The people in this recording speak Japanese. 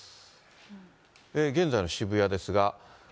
現在の渋谷ですが。